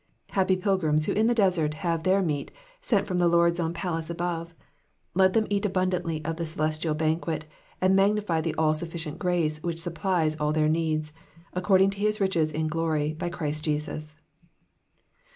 Happy pilgrims who in the desert have their moat sent from the Lord's own palace above ; let them eat abundantly of the celestial banquet, and magnify the ull sudicient grace which supplies all their needs, according to His riches in glory, by Christ Jesus.